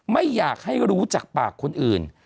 ไม่อยากให้รู้จากปากคนอื่น